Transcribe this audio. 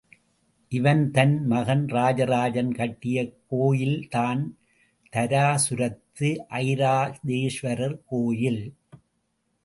இவன்தன் மகன் ராஜராஜன் கட்டிய கோயில்தான் தாராசுரத்து ஐராவதேஸ்வரர் கோயில்.